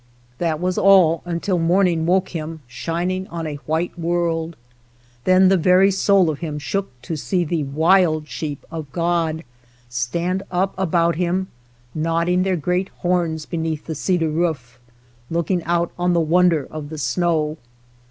That was all until morning woke him shining on a white world. Then the very soul of him shook to see the wild sheep^of God stand up about him, nodding their great horns beneath the cedar roof, looking out on the wonder of the snow.